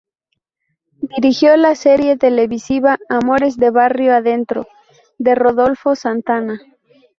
Dirigió la serie televisiva "Amores de barrio adentro" de Rodolfo Santana.